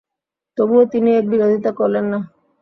তবুও তিনি এর বিরোধিতা করলেন না।